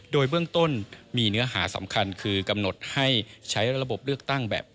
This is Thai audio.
โดยเบื้องต้นมีเนื้อหาสำคัญคือกำหนดให้ใช้ระบบเลือกตั้งแบบ